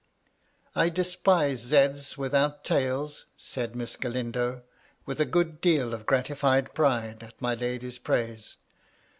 "I despise z's without tails," said Miss Galindo, with a good deal of gratified pride at my lady's praise.